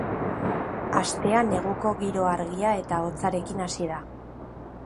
Astea neguko giro argia eta hotzarekin hasi da.